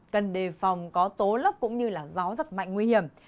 cần đề phòng có tố lấp cũng như là gió rất mạnh nguy hiểm